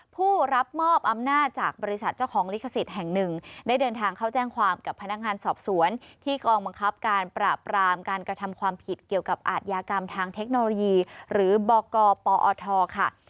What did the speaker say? ผู้รับมอบอำนาจจากบริษัทเจ้าของลิขสิทธิ์แห่งหนึ่งได้เดินทางเข้าแจ้งความกับพนักงานสอบสวนที่กองบังคับการปราบรามการกระทำความผิดเกี่ยวกับอาทยากรรมทางเทคโนโลยีหรือบกปอทค่ะ